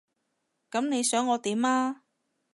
噉你想我點啊？